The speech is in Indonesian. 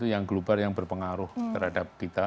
yang berpengaruh terhadap kita